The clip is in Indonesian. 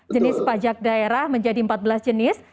enam belas jenis pajak daerah menjadi empat belas jenis